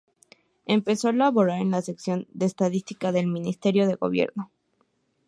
Empezó a laborar en la sección de Estadística del Ministerio de Gobierno.